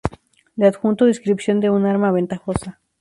Le adjunto descripción de un arma ventajosa.